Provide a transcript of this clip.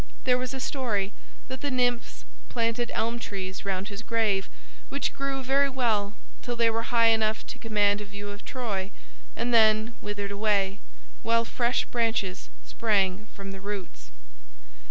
There was a story that the nymphs planted elm trees round his grave which grew very well till they were high enough to command a view of Troy, and then withered away, while fresh branches sprang from the roots.